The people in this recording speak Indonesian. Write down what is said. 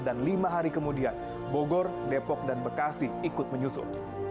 dan lima hari kemudian bogor depok dan bekasi ikut menyusul